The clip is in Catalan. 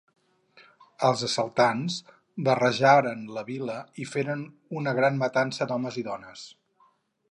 Els assaltants barrejaren la vila i feren una gran matança d'homes i dones.